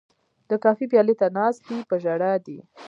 د کافي پیالې ته ناست دی په ژړا دی